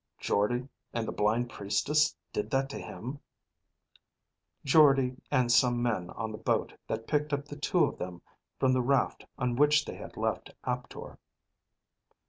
"Jordde and the blind priestess did that to him?" "Jordde and some men on the boat that picked up the two of them from the raft on which they had left Aptor."